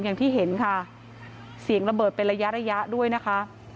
อย่างที่เห็นค่ะเสียงระเบิดเป็นระยะระยะด้วยนะคะ